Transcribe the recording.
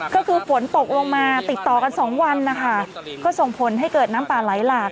ก็คือฝนตกลงมาติดต่อกันสองวันนะคะก็ส่งผลให้เกิดน้ำป่าไหลหลาก